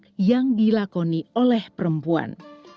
yang dilakoni oleh perempuan